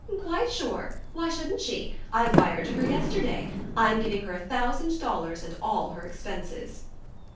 "Quite sure. Why shouldn't she? I wired to her yesterday. I'm giving her a thousand dollars and all her expenses."